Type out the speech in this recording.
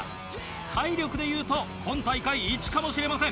体力でいうと今大会いちかもしれません。